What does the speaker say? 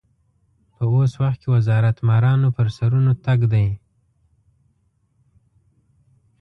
په اوس وخت کې وزارت مارانو پر سرونو تګ دی.